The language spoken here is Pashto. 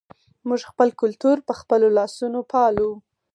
موږ خپل کلتور په خپلو لاسونو پالو.